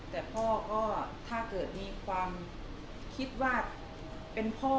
แต่พ่อก็ถ้าเกิดมีความคิดว่าเป็นพ่อ